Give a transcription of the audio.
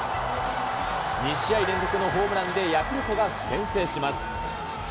２試合連続のホームランでヤクルトが先制します。